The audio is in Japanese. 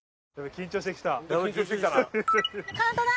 緊張してきたな。